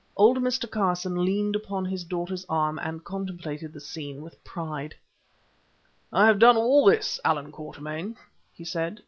Old Mr. Carson leaned upon his daughter's arm and contemplated the scene with pride. "I have done all this, Allan Quatermain," he said.